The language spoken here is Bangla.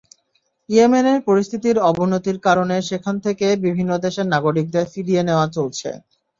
ইয়েমেনের পরিস্থিতির অবনতির কারণে সেখান থেকে বিভিন্ন দেশের নাগরিকদের ফিরিয়ে নেওয়া চলছে।